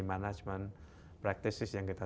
management practices yang kita